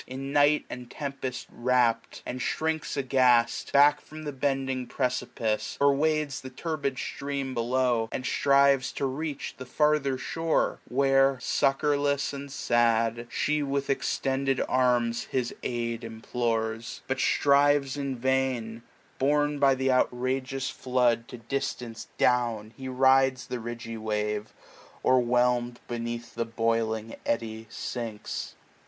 In night and tempest wrapt ; or shrinks aghast. Back, from the bending precipice ; or wades The turbid stream below, and strives to reach 1065 The farther shore ; where, succourless and sad^ She with extended arms his aid implores ; But strives in vain : borne by th* outrageous flood To distance down, he rides the ridgy wave. Or whelm'd beneath the boiling eddy sinks.